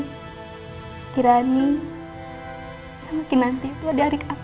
tapi ini bukan soal siapa kakak